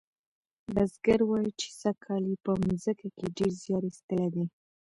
بزګر وایي چې سږکال یې په مځکه کې ډیر زیار ایستلی دی.